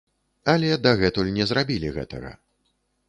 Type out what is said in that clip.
Але дагэтуль не зрабілі гэтага.